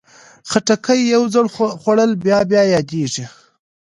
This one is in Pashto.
خټکی یو ځل خوړل بیا بیا یادېږي.